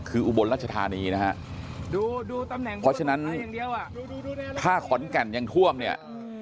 คืออุบลรัชธานีนะฮะเพราะฉะนั้นถ้าขอนแก่นยังท่วมเนี่ย